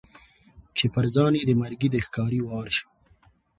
چي پر ځان یې د مرګي د ښکاري وار سو